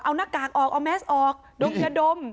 เอาหน้ากากออกเอาแมสออกดมยาดม